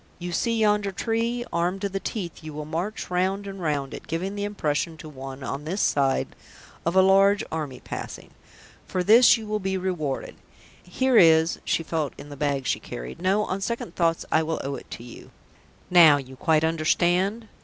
You see yonder tree? Armed to the teeth you will march round and round it, giving the impression to one on this side of a large army passing. For this you will be rewarded. Here is " She felt in the bag she carried. "No, on second thoughts I will owe it to you. Now you quite understand?"